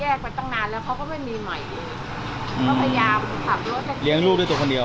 ไปตั้งนานแล้วเขาก็ไม่มีใหม่เลยก็พยายามขับรถเลี้ยงลูกด้วยตัวคนเดียว